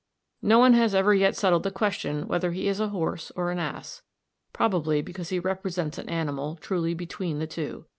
] No one has ever yet settled the question whether he is a horse or an ass, probably because he represents an animal truly between the two.